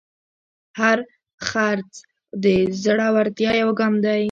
هر خرڅ د زړورتیا یو ګام دی.